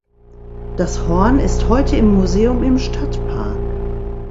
Das Horn ist heute im Museum im Stadtpark.